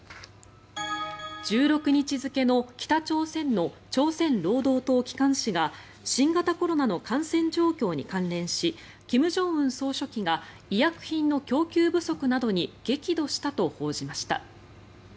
１６日付の北朝鮮の朝鮮労働党機関紙が新型コロナの感染状況に関連し金正恩総書記が医薬品の供給不足などに激怒したと報じました。